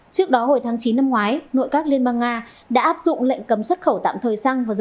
trước đó hồi tháng chín năm ngoái nội các liên bang nga đã áp dụng lệnh cấm xuất khẩu tạm thời xăng vào dầu